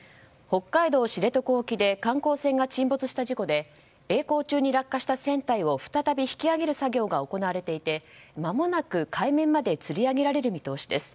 北海道知床沖で観光船が沈没した事故で曳航中に落下した船体を再び引き揚げる作業が行われていてまもなく海面までつり上げられる見通しです。